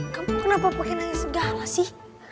kamu kenapa pakai nangis segala sih